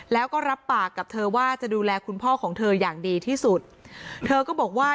แล้วก็รับปากกับเธอว่าจะดูแลคุณพ่อของเธออย่างดีที่สุดเธอก็บอกว่า